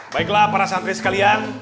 baiklah para santri sekalian